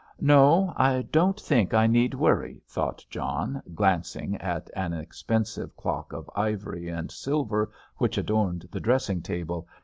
"No; I don't think I need worry," thought John, glancing at an expensive clock of ivory and silver which adorned the dressing table.